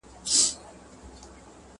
ورځو کډه کړې ده اسمان ګوري کاږه ورته!!